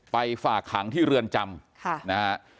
ฝากขังที่เรือนจำนะฮะ